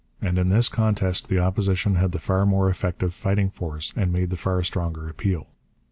And in this contest the Opposition had the far more effective fighting force and made the far stronger appeal.